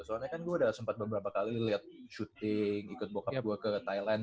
soalnya kan gue udah sempet beberapa kali liat shooting ikut bokap gue ke thailand